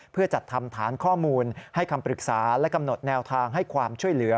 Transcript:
เพื่อจัดทำฐานข้อมูลให้คำปรึกษาและกำหนดแนวทางให้ความช่วยเหลือ